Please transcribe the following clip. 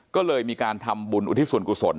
ก็เลยมีการทำบุญอุทิศส่วนกุศล